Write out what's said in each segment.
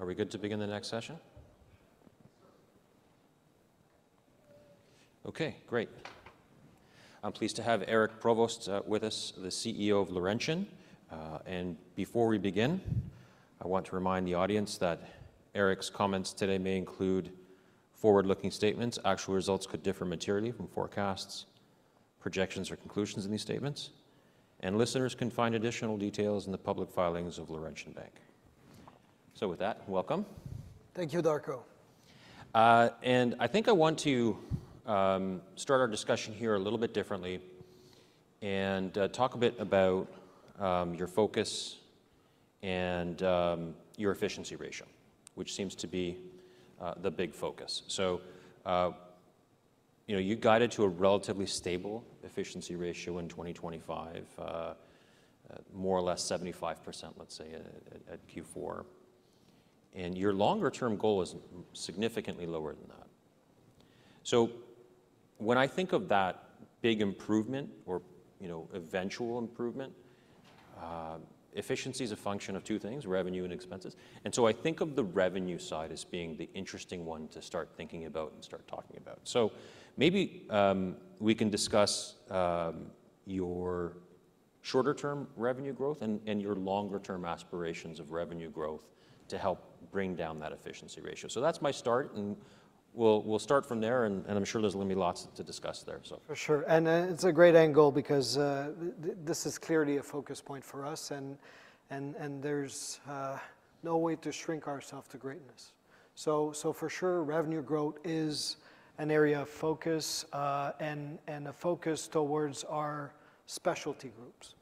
Are we good to begin the next session? Okay, great. I'm pleased to have Éric Provost with us, the CEO of Laurentian. And before we begin, I want to remind the audience that Éric's comments today may include forward-looking statements. Actual results could differ materially from forecasts, projections, or conclusions in these statements. And listeners can find additional details in the public filings of Laurentian Bank. So with that, welcome. Thank you, Darko. I think I want to start our discussion here a little bit differently and talk a bit about your focus and your efficiency ratio, which seems to be the big focus. You guided to a relatively stable efficiency ratio in 2025, more or less 75%, let's say, at Q4. Your longer-term goal is significantly lower than that. When I think of that big improvement or eventual improvement, efficiency is a function of two things: revenue and expenses. I think of the revenue side as being the interesting one to start thinking about and start talking about. Maybe we can discuss your shorter-term revenue growth and your longer-term aspirations of revenue growth to help bring down that efficiency ratio. That's my start. We'll start from there. I'm sure there's going to be lots to discuss there. For sure. And it's a great angle because this is clearly a focus point for us. And there's no way to shrink ourselves to greatness. So for sure, revenue growth is an area of focus and a focus towards our specialty groups.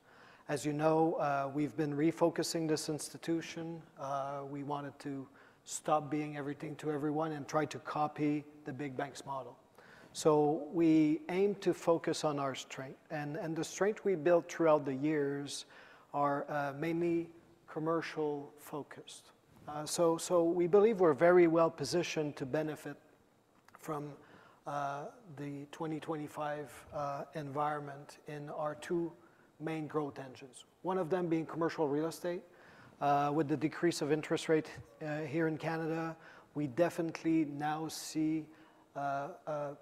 As you know, we've been refocusing this institution. We wanted to stop being everything to everyone and try to copy the big banks model. So we aim to focus on our strength. And the strength we built throughout the years are mainly commercial-focused. So we believe we're very well positioned to benefit from the 2025 environment in our two main growth engines, one of them being commercial real estate. With the decrease of interest rates here in Canada, we definitely now see a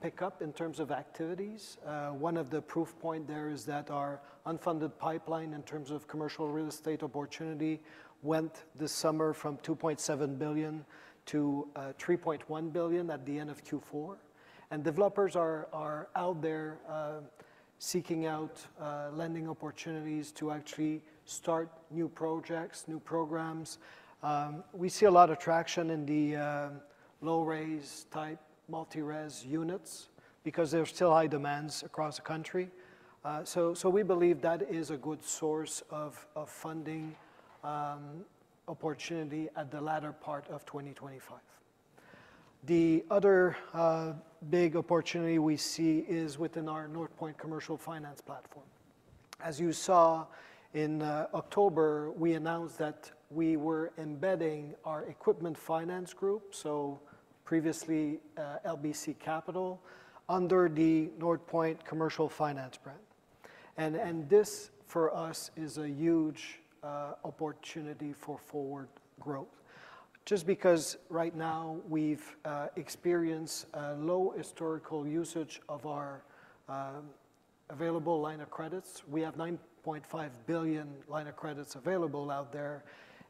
pickup in terms of activities. One of the proof points there is that our unfunded pipeline in terms of commercial real estate opportunity went this summer from 2.7 billion-3.1 billion at the end of Q4. And developers are out there seeking out lending opportunities to actually start new projects, new programs. We see a lot of traction in the low-rise type multi-res units because there's still high demands across the country. So we believe that is a good source of funding opportunity at the latter part of 2025. The other big opportunity we see is within our Northpoint Commercial Finance platform. As you saw in October, we announced that we were embedding our equipment finance group, so previously LBC Capital, under the Northpoint Commercial Finance brand. And this, for us, is a huge opportunity for forward growth. Just because right now we've experienced a low historical usage of our available line of credits, we have 9.5 billion line of credits available out there.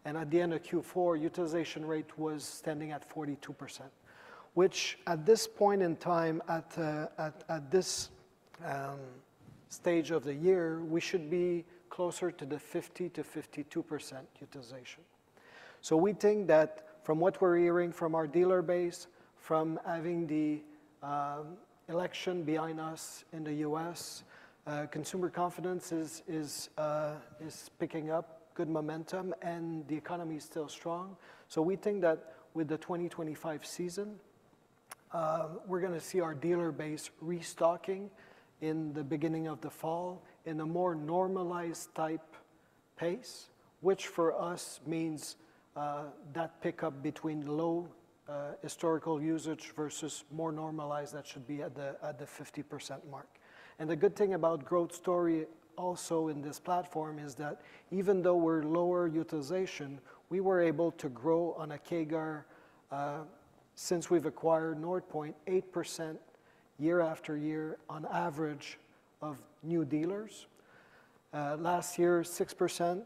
And at the end of Q4, utilization rate was standing at 42%, which at this point in time, at this stage of the year, we should be closer to the 50%-52% utilization. So we think that from what we're hearing from our dealer base, from having the election behind us in the U.S., consumer confidence is picking up good momentum and the economy is still strong. So we think that with the 2025 season, we're going to see our dealer base restocking in the beginning of the fall in a more normalized type pace, which for us means that pickup between low historical usage versus more normalized that should be at the 50% mark. The good thing about growth story also in this platform is that even though we're lower utilization, we were able to grow on a CAGR since we've acquired Northpoint 8% year after year on average of new dealers. Last year, 6%.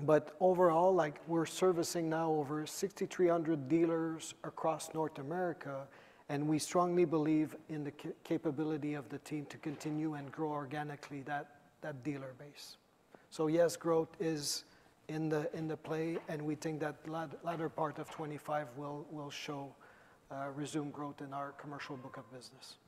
But overall, we're servicing now over 6,300 dealers across North America. And we strongly believe in the capability of the team to continue and grow organically that dealer base. So yes, growth is in the play. And we think that latter part of 2025 will show resumed growth in our commercial book of business.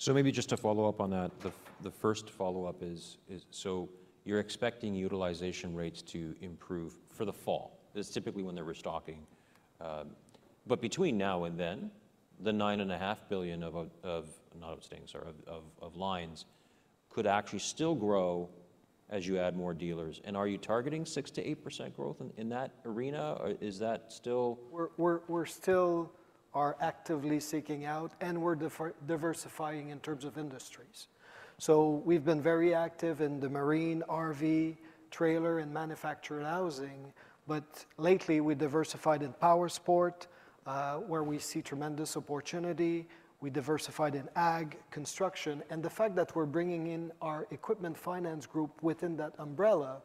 So maybe just to follow up on that, the first follow-up is, so you're expecting utilization rates to improve for the fall. That's typically when they're restocking. But between now and then, the 9.5 billion of lines could actually still grow as you add more dealers. And are you targeting 6%-8% growth in that arena? Is that still? We're still actively seeking out and we're diversifying in terms of industries. So we've been very active in the marine, RV, trailer, and manufactured housing. But lately, we diversified in powersports, where we see tremendous opportunity. We diversified in ag, construction. And the fact that we're bringing in our equipment finance group within that umbrella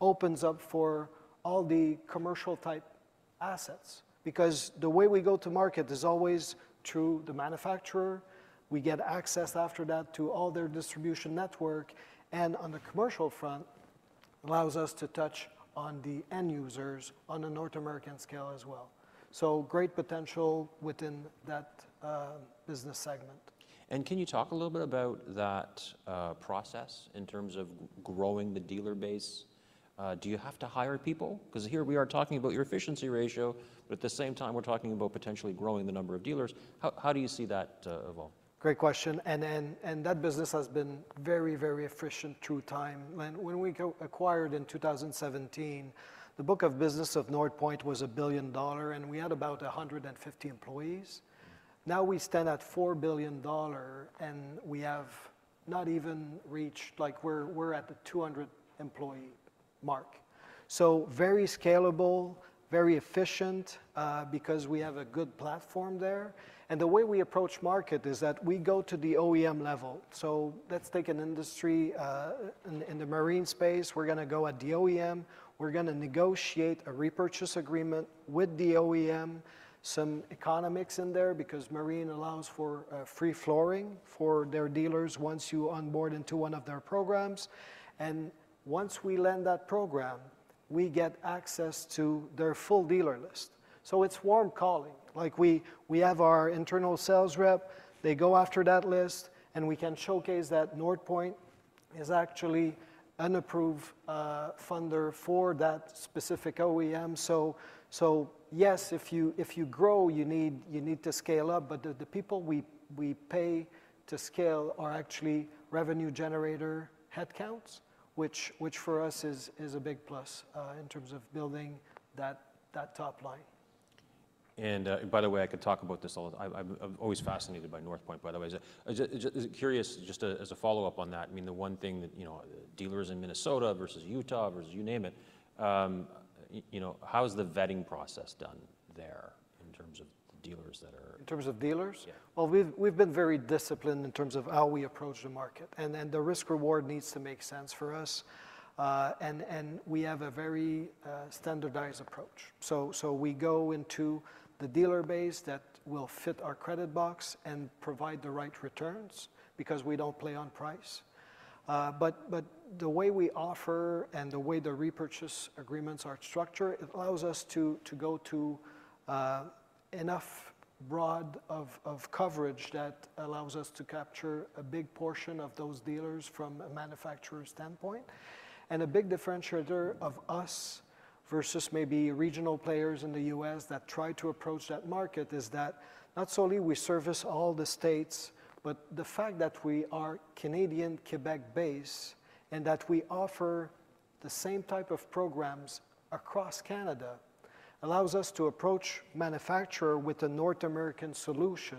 opens up for all the commercial-type assets. Because the way we go to market is always through the manufacturer. We get access after that to all their distribution network. And on the commercial front, it allows us to touch on the end users on a North American scale as well. So great potential within that business segment. Can you talk a little bit about that process in terms of growing the dealer base? Do you have to hire people? Because here we are talking about your efficiency ratio, but at the same time, we're talking about potentially growing the number of dealers. How do you see that evolve? Great question. And that business has been very, very efficient through time. When we acquired in 2017, the book of business of Northpoint was 1 billion dollar, and we had about 150 employees. Now we stand at 4 billion dollar, and we have not even reached, we're at the 200-employee mark. So very scalable, very efficient because we have a good platform there. And the way we approach market is that we go to the OEM level. So let's take an industry in the marine space. We're going to go at the OEM. We're going to negotiate a repurchase agreement with the OEM, some economics in there, because marine allows for free flooring for their dealers once you onboard into one of their programs. And once we land that program, we get access to their full dealer list. So it's warm calling. We have our internal sales rep. They go after that list. And we can showcase that Northpoint is actually an approved funder for that specific OEM. So yes, if you grow, you need to scale up. But the people we pay to scale are actually revenue generator headcounts, which for us is a big plus in terms of building that top line. And by the way, I could talk about this all. I'm always fascinated by Northpoint, by the way. Just curious, just as a follow-up on that, I mean, the one thing that dealers in Minnesota versus Utah versus you name it. How is the vetting process done there in terms of the dealers that are? In terms of dealers? Yeah. Well, we've been very disciplined in terms of how we approach the market. And the risk-reward needs to make sense for us. And we have a very standardized approach. So we go into the dealer base that will fit our credit box and provide the right returns because we don't play on price. But the way we offer and the way the repurchase agreements are structured, it allows us to go to enough broad coverage that allows us to capture a big portion of those dealers from a manufacturer's standpoint. A big differentiator of us versus maybe regional players in the U.S. that try to approach that market is that not solely we service all the states, but the fact that we are Canadian, Quebec-based, and that we offer the same type of programs across Canada allows us to approach manufacturer with a North American solution,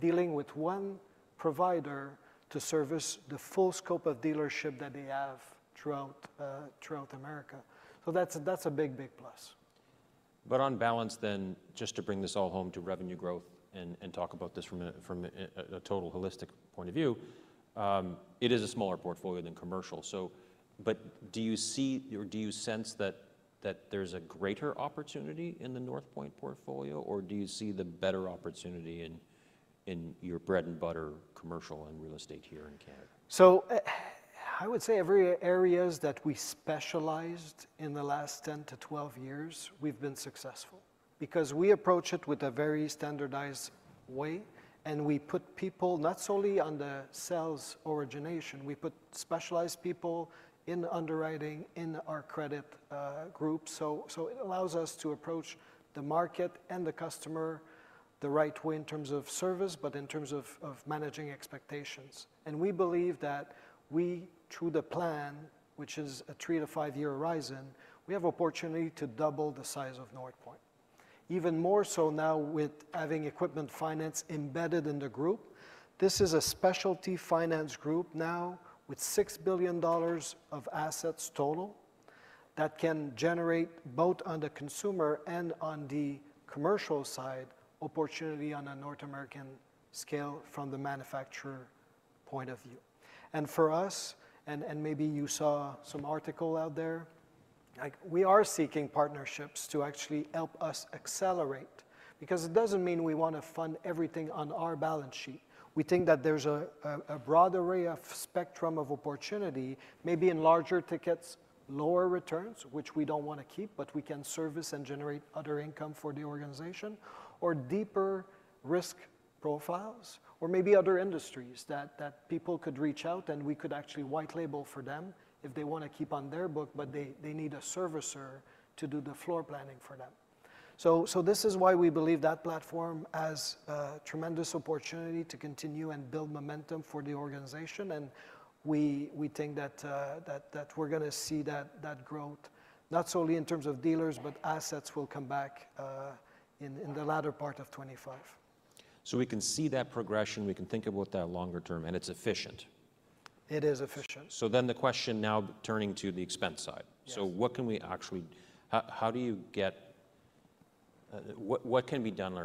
dealing with one provider to service the full scope of dealership that they have throughout America. So that's a big, big plus. On balance, then, just to bring this all home to revenue growth and talk about this from a total holistic point of view, it is a smaller portfolio than commercial. Do you see or do you sense that there's a greater opportunity in the Northpoint portfolio, or do you see the better opportunity in your bread-and-butter commercial and real estate here in Canada? I would say every area that we specialized in the last 10-12 years, we've been successful because we approach it with a very standardized way. And we put people not solely on the sales origination. We put specialized people in underwriting in our credit group. So it allows us to approach the market and the customer the right way in terms of service, but in terms of managing expectations. And we believe that we, through the plan, which is a three- to five-year horizon, we have an opportunity to double the size of Northpoint, even more so now with having equipment finance embedded in the group. This is a specialty finance group now with 6 billion dollars of assets total that can generate both on the consumer and on the commercial side opportunity on a North American scale from the manufacturer point of view. And for us, and maybe you saw some article out there, we are seeking partnerships to actually help us accelerate because it doesn't mean we want to fund everything on our balance sheet. We think that there's a broad array of spectrum of opportunity, maybe in larger tickets, lower returns, which we don't want to keep, but we can service and generate other income for the organization, or deeper risk profiles, or maybe other industries that people could reach out and we could actually white label for them if they want to keep on their book, but they need a servicer to do the floor planning for them. So this is why we believe that platform has a tremendous opportunity to continue and build momentum for the organization. We think that we're going to see that growth, not solely in terms of dealers, but assets will come back in the latter part of 2025. So we can see that progression. We can think about that longer term. And it's efficient. It is efficient. So then the question now turning to the expense side. So what can actually be done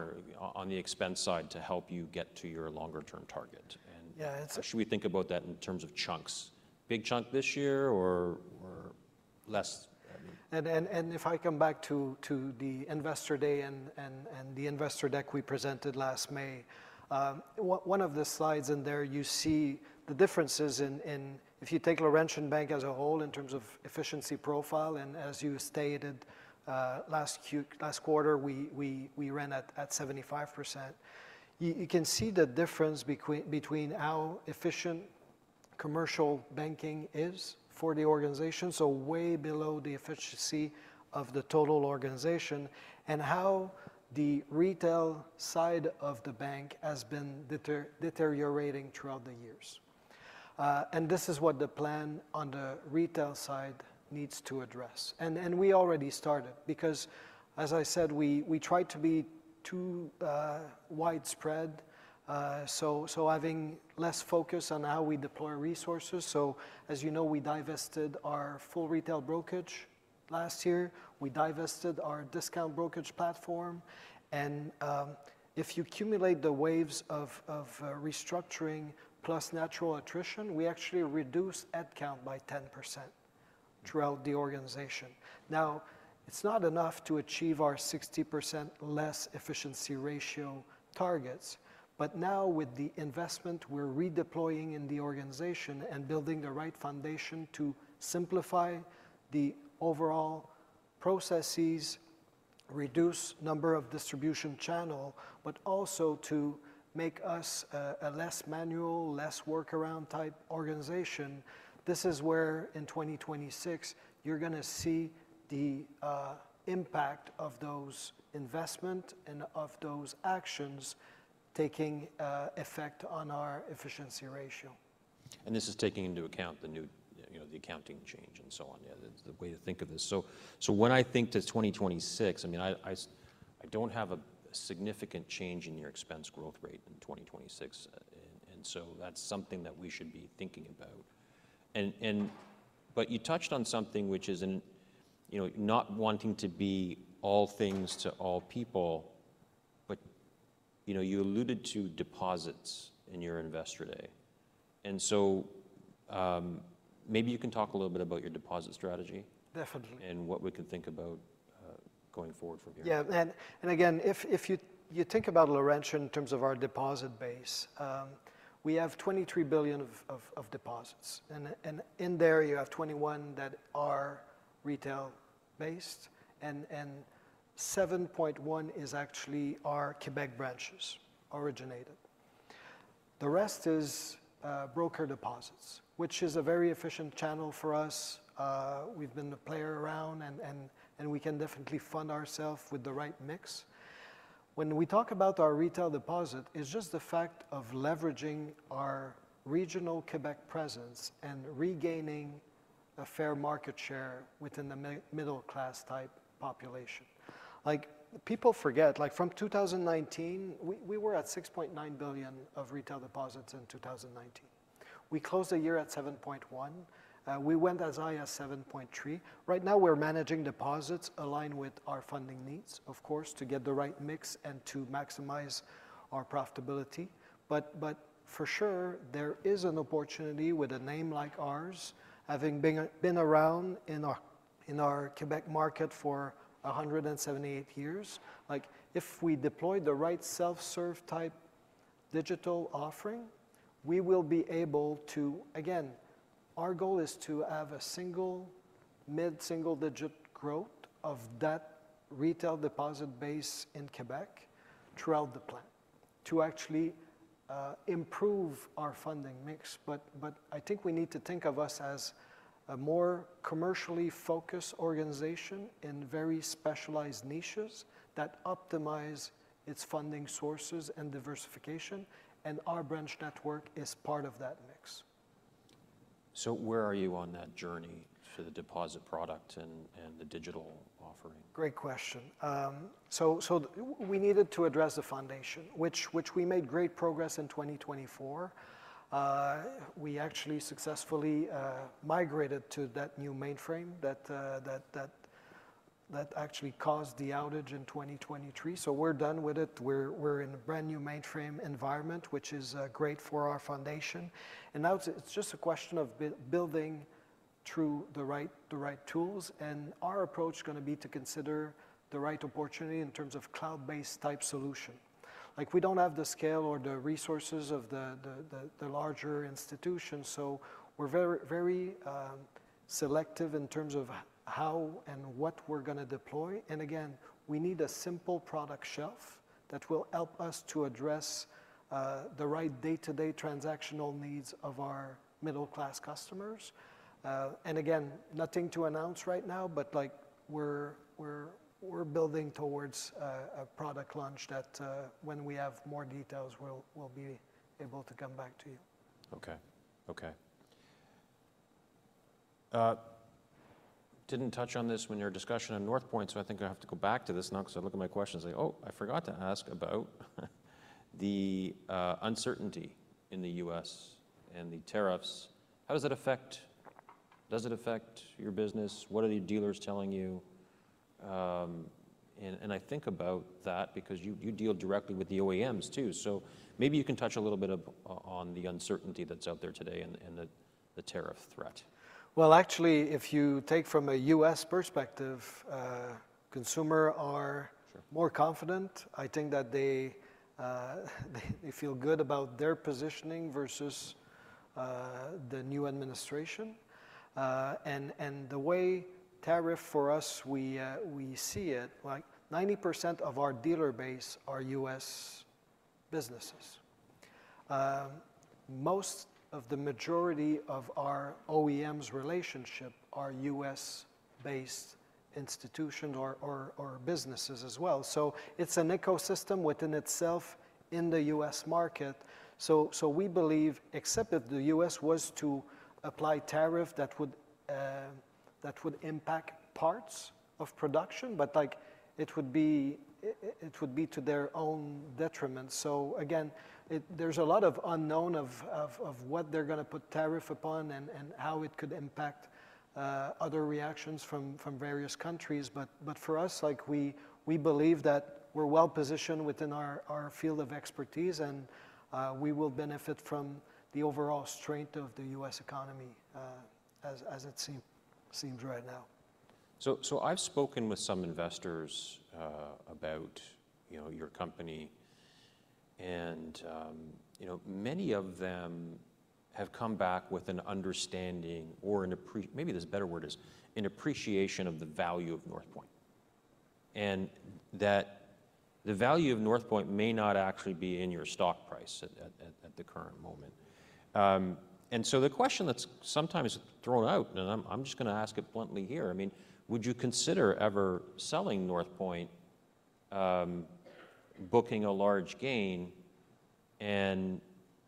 on the expense side to help you get to your longer-term target? And should we think about that in terms of chunks? Big chunk this year or less? And if I come back to the investor day and the investor deck we presented last May, one of the slides in there, you see the differences in, if you take Laurentian Bank as a whole in terms of efficiency profile, and as you stated, last quarter, we ran at 75%. You can see the difference between how efficient commercial banking is for the organization, so way below the efficiency of the total organization, and how the retail side of the bank has been deteriorating throughout the years. And this is what the plan on the retail side needs to address. And we already started because, as I said, we tried to be too widespread, so having less focus on how we deploy resources. So as you know, we divested our full retail brokerage last year. We divested our discount brokerage platform. And if you accumulate the waves of restructuring plus natural attrition, we actually reduce headcount by 10% throughout the organization. Now, it's not enough to achieve our 60% less efficiency ratio targets. But now, with the investment we're redeploying in the organization and building the right foundation to simplify the overall processes, reduce the number of distribution channels, but also to make us a less manual, less workaround type organization, this is where in 2026, you're going to see the impact of those investments and of those actions taking effect on our efficiency ratio. This is taking into account the accounting change and so on, the way to think of this. When I think to 2026, I mean, I don't have a significant change in your expense growth rate in 2026. That's something that we should be thinking about. You touched on something which is not wanting to be all things to all people. You alluded to deposits in your investor day. Maybe you can talk a little bit about your deposit strategy. Definitely. What we can think about going forward from here. Yeah. And again, if you think about Laurentian in terms of our deposit base, we have 23 billion of deposits. And in there, you have 21 that are retail-based. And 7.1 is actually our Quebec branches originated. The rest is broker deposits, which is a very efficient channel for us. We've been a player around, and we can definitely fund ourselves with the right mix. When we talk about our retail deposit, it's just the fact of leveraging our regional Quebec presence and regaining a fair market share within the middle-class type population. People forget, from 2019, we were at 6.9 billion of retail deposits in 2019. We closed the year at 7.1. We went as high as 7.3. Right now, we're managing deposits aligned with our funding needs, of course, to get the right mix and to maximize our profitability. But for sure, there is an opportunity with a name like ours, having been around in our Quebec market for 178 years. If we deploy the right self-serve type digital offering, we will be able to, again, our goal is to have a single mid-single digit growth of that retail deposit base in Quebec throughout the plan to actually improve our funding mix. But I think we need to think of us as a more commercially focused organization in very specialized niches that optimize its funding sources and diversification. And our branch network is part of that mix. Where are you on that journey for the deposit product and the digital offering? Great question. So we needed to address the foundation, which we made great progress in 2024. We actually successfully migrated to that new mainframe that actually caused the outage in 2023. So we're done with it. We're in a brand new mainframe environment, which is great for our foundation. And now it's just a question of building through the right tools. And our approach is going to be to consider the right opportunity in terms of cloud-based type solution. We don't have the scale or the resources of the larger institution. So we're very selective in terms of how and what we're going to deploy. And again, we need a simple product shelf that will help us to address the right day-to-day transactional needs of our middle-class customers. And again, nothing to announce right now, but we're building towards a product launch that when we have more details, we'll be able to come back to you. OK. OK. Didn't touch on this when your discussion on Northpoint, so I think I have to go back to this now because I look at my questions, like, oh, I forgot to ask about the uncertainty in the U.S. and the tariffs. How does that affect? Does it affect your business? What are the dealers telling you? And I think about that because you deal directly with the OEMs too. So maybe you can touch a little bit on the uncertainty that's out there today and the tariff threat. Actually, if you take from a U.S. perspective, consumers are more confident. I think that they feel good about their positioning versus the new administration. And the way tariff for us, we see it, 90% of our dealer base are U.S. businesses. Most of the majority of our OEMs' relationship are U.S.-based institutions or businesses as well. So it's an ecosystem within itself in the U.S. market. So we believe, except if the U.S. was to apply tariffs that would impact parts of production, but it would be to their own detriment. So again, there's a lot of unknown of what they're going to put tariffs upon and how it could impact other reactions from various countries. But for us, we believe that we're well positioned within our field of expertise, and we will benefit from the overall strength of the U.S. economy as it seems right now. I've spoken with some investors about your company. And many of them have come back with an understanding or maybe this better word is an appreciation of the value of Northpoint, and that the value of Northpoint may not actually be in your stock price at the current moment. And so the question that's sometimes thrown out, and I'm just going to ask it bluntly here, I mean, would you consider ever selling Northpoint, booking a large gain, and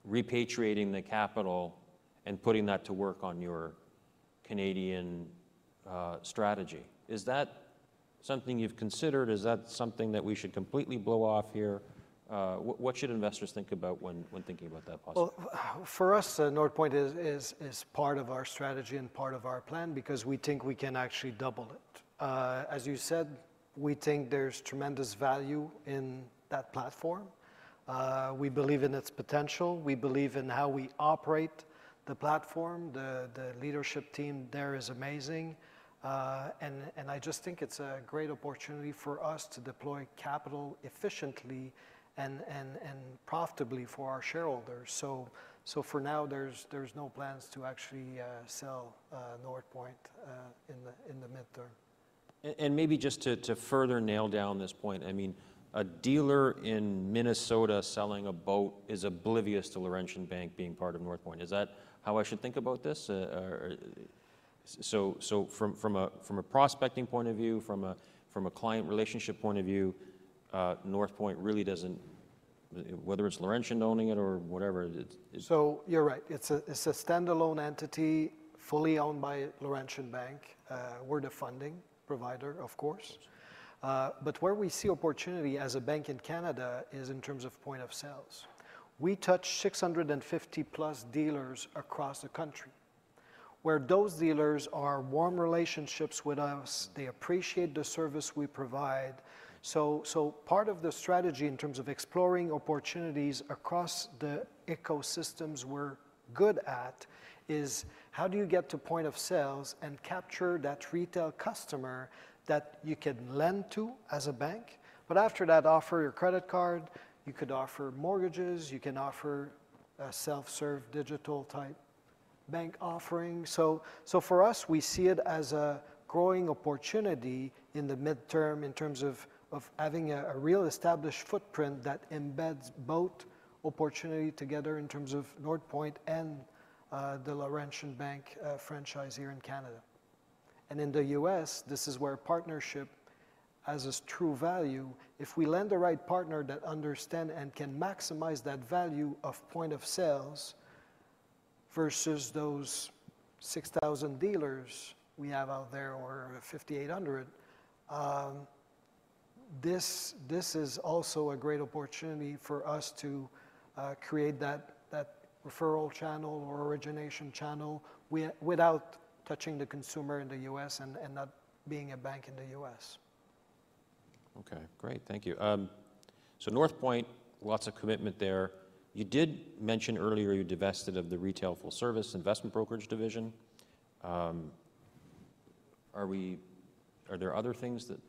repatriating the capital and putting that to work on your Canadian strategy? Is that something you've considered? Is that something that we should completely blow off here? What should investors think about when thinking about that possibility? For us, Northpoint is part of our strategy and part of our plan because we think we can actually double it. As you said, we think there's tremendous value in that platform. We believe in its potential. We believe in how we operate the platform. The leadership team there is amazing, and I just think it's a great opportunity for us to deploy capital efficiently and profitably for our shareholders, so for now, there's no plans to actually sell Northpoint in the midterm. And maybe just to further nail down this point, I mean, a dealer in Minnesota selling a boat is oblivious to Laurentian Bank being part of Northpoint. Is that how I should think about this? So from a prospecting point of view, from a client relationship point of view, Northpoint really doesn't, whether it's Laurentian owning it or whatever. So you're right. It's a standalone entity fully owned by Laurentian Bank. We're the funding provider, of course. But where we see opportunity as a bank in Canada is in terms of point of sales. We touch 650+ dealers across the country, where those dealers are warm relationships with us. They appreciate the service we provide. So part of the strategy in terms of exploring opportunities across the ecosystems we're good at is how do you get to point of sales and capture that retail customer that you can lend to as a bank? But after that, offer your credit card. You could offer mortgages. You can offer a self-serve digital type bank offering. So for us, we see it as a growing opportunity in the midterm in terms of having a real established footprint that embeds both opportunity together in terms of Northpoint and the Laurentian Bank franchise here in Canada. And in the U.S., this is where partnership has its true value. If we lend the right partner that understands and can maximize that value of point of sales versus those 6,000 dealers we have out there or 5,800, this is also a great opportunity for us to create that referral channel or origination channel without touching the consumer in the U.S. and not being a bank in the U.S. OK. Great. Thank you. So Northpoint, lots of commitment there. You did mention earlier you divested of the retail full-service investment brokerage division. Are there other things that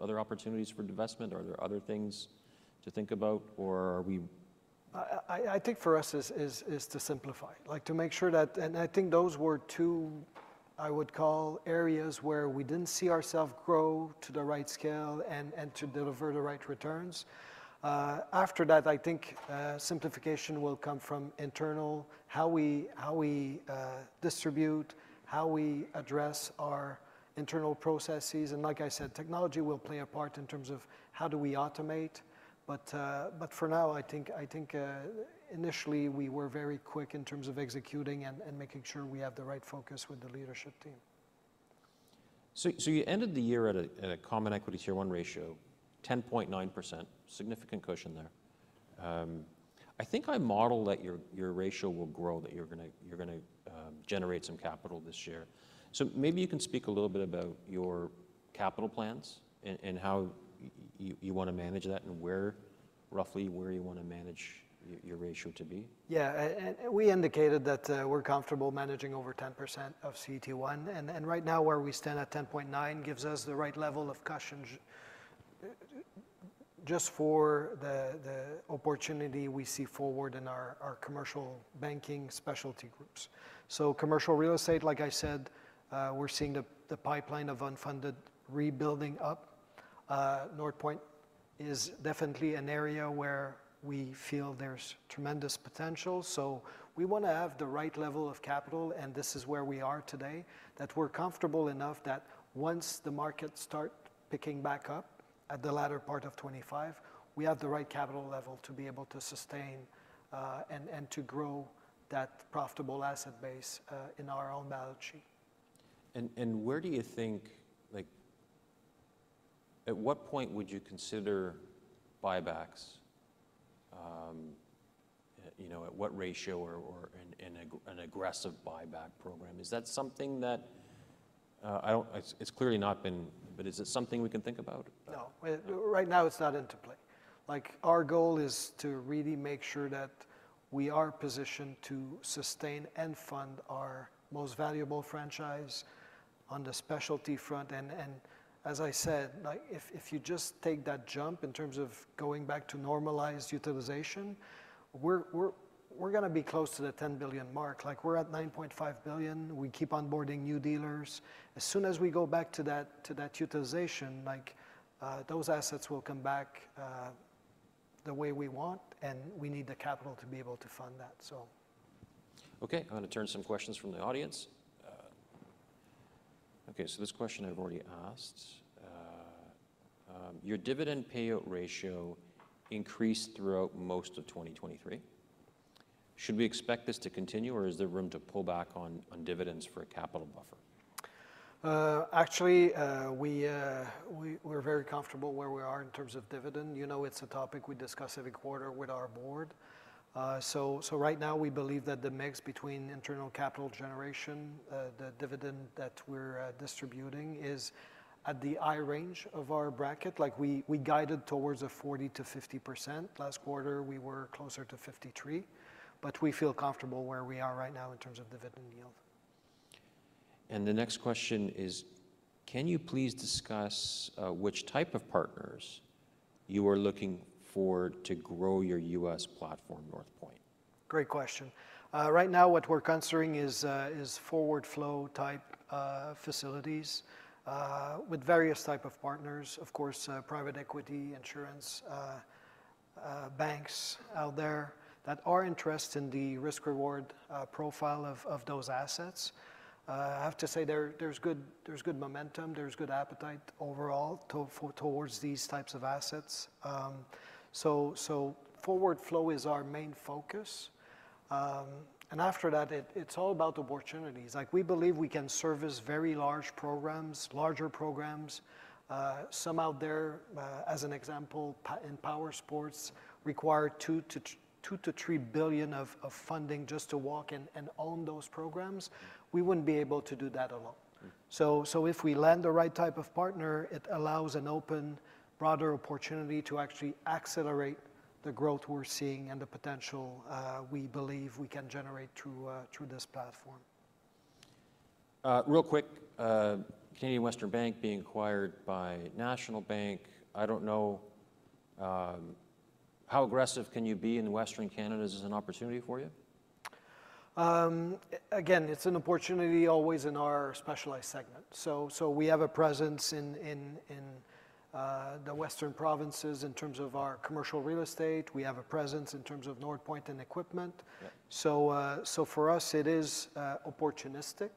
other opportunities for divestment? Are there other things to think about? Or are we. I think for us is to simplify, to make sure that, and I think those were two, I would call, areas where we didn't see ourselves grow to the right scale and to deliver the right returns. After that, I think simplification will come from internal, how we distribute, how we address our internal processes, and like I said, technology will play a part in terms of how do we automate, but for now, I think initially we were very quick in terms of executing and making sure we have the right focus with the leadership team. So you ended the year at a Common Equity Tier 1 ratio, 10.9%, significant cushion there. I think I model that your ratio will grow, that you're going to generate some capital this year. So maybe you can speak a little bit about your capital plans and how you want to manage that and roughly where you want to manage your ratio to be. Yeah. We indicated that we're comfortable managing over 10% of CET1. And right now, where we stand at 10.9% gives us the right level of cushion just for the opportunity we see forward in our commercial banking specialty groups. So commercial real estate, like I said, we're seeing the unfunded pipeline building up. Northpoint is definitely an area where we feel there's tremendous potential. So we want to have the right level of capital, and this is where we are today, that we're comfortable enough that once the markets start picking back up at the latter part of 2025, we have the right capital level to be able to sustain and to grow that profitable asset base in our own balance sheet. Where do you think, at what point would you consider buybacks? At what ratio or an aggressive buyback program? Is that something that it's clearly not been, but is it something we can think about? No. Right now, it's not into play. Our goal is to really make sure that we are positioned to sustain and fund our most valuable franchise on the specialty front. And as I said, if you just take that jump in terms of going back to normalized utilization, we're going to be close to the 10 billion mark. We're at 9.5 billion. We keep onboarding new dealers. As soon as we go back to that utilization, those assets will come back the way we want. And we need the capital to be able to fund that, so. I'm going to turn to some questions from the audience. So this question I've already asked. Your dividend payout ratio increased throughout most of 2023. Should we expect this to continue, or is there room to pull back on dividends for a capital buffer? Actually, we're very comfortable where we are in terms of dividend. You know it's a topic we discuss every quarter with our board. So right now, we believe that the mix between internal capital generation, the dividend that we're distributing is at the high range of our bracket. We guided towards a 40%-50%. Last quarter, we were closer to 53%. But we feel comfortable where we are right now in terms of dividend yield. The next question is, can you please discuss which type of partners you are looking for to grow your U.S. platform, Northpoint? Great question. Right now, what we're considering is forward flow type facilities with various types of partners, of course, private equity, insurance banks out there that are interested in the risk-reward profile of those assets. I have to say there's good momentum. There's good appetite overall towards these types of assets. So forward flow is our main focus. And after that, it's all about opportunities. We believe we can service very large programs, larger programs. Some out there, as an example, in powersports, require 2 billion-3 billion of funding just to walk and own those programs. We wouldn't be able to do that alone. So if we land the right type of partner, it allows an open, broader opportunity to actually accelerate the growth we're seeing and the potential we believe we can generate through this platform. Real quick, Canadian Western Bank being acquired by National Bank. I don't know, how aggressive can you be in Western Canada? Is this an opportunity for you? Again, it's an opportunity always in our specialized segment. So we have a presence in the Western provinces in terms of our commercial real estate. We have a presence in terms of Northpoint and equipment. So for us, it is opportunistic.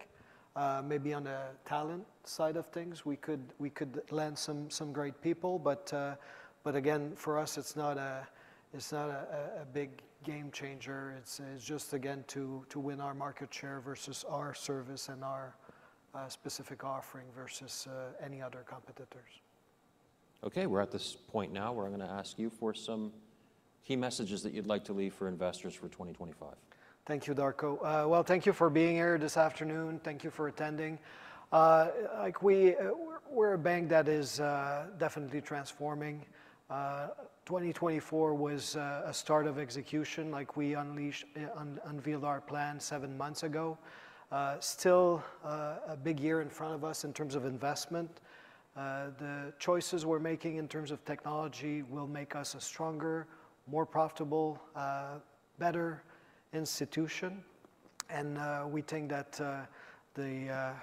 Maybe on the talent side of things, we could land some great people. But again, for us, it's not a big game changer. It's just, again, to win our market share versus our service and our specific offering versus any other competitors. OK. We're at this point now where I'm going to ask you for some key messages that you'd like to leave for investors for 2025. Thank you, Darko. Well, thank you for being here this afternoon. Thank you for attending. We're a bank that is definitely transforming. 2024 was a start of execution. We unveiled our plan seven months ago. Still, a big year in front of us in terms of investment. The choices we're making in terms of technology will make us a stronger, more profitable, better institution. And we think that the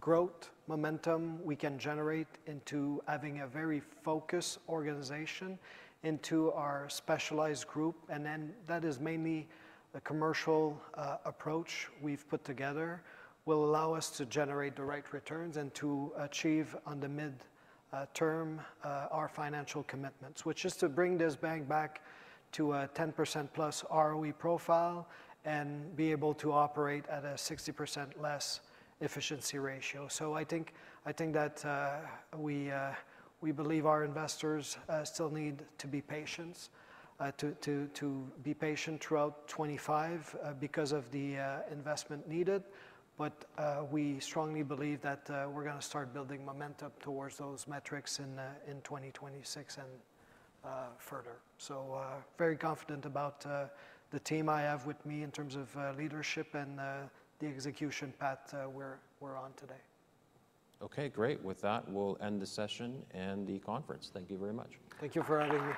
growth momentum we can generate into having a very focused organization into our specialized group, and then that is mainly the commercial approach we've put together, will allow us to generate the right returns and to achieve on the midterm our financial commitments, which is to bring this bank back to a 10%+ ROE profile and be able to operate at a 60% less efficiency ratio. So I think that we believe our investors still need to be patient, to be patient throughout 2025 because of the investment needed. But we strongly believe that we're going to start building momentum towards those metrics in 2026 and further. So very confident about the team I have with me in terms of leadership and the execution path we're on today. OK. Great. With that, we'll end the session and the conference. Thank you very much. Thank you for having me.